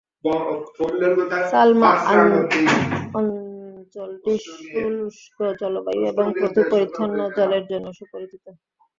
সালমা অঞ্চলটি শুষ্ক জলবায়ু এবং প্রচুর পরিচ্ছন্ন জলের জন্য সুপরিচিত।